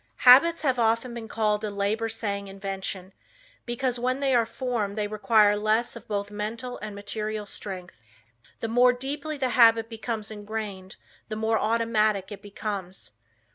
Habits have often been called a labor saving invention, because when they are formed they require less of both mental and material strength. The more deeply the habit becomes ingrained the more automatic it becomes.